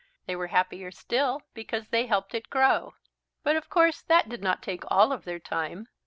They were happier still because they helped it grow. But of course that did not take all of their time.